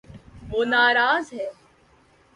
وہ ناراض ہے